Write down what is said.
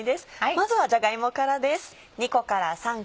まずはじゃが芋からです。